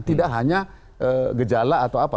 tidak hanya gejala atau apa